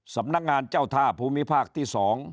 สำนักงานเจ้าท่าภูมิภาคที่๒